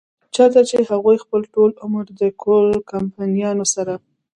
چرته چې هغوي خپل ټول عمر د کول کمپنيانو سره